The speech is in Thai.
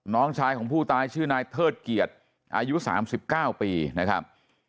น้องชายของผู้ตายชื่อนายเทิดเกียรติอายุ๓๙ปีนะครับ